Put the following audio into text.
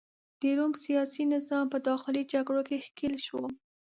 د روم سیاسي نظام په داخلي جګړو کې ښکیل شو.